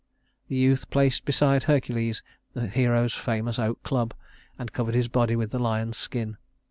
The youth placed beside Hercules the hero's famous oak club, and covered his body with the lion's skin.